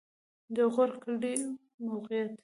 د غور کلی موقعیت